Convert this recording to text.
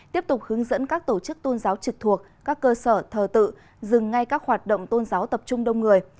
tiếp tục hướng dẫn các tổ chức tôn giáo trực thuộc các cơ sở thờ tự dừng ngay các hoạt động tôn giáo tập trung đông người